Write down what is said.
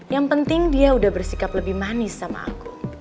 yang penting dia udah bersikap lebih manis sama aku